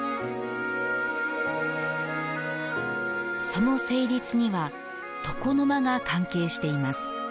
その成立には床の間が関係しています。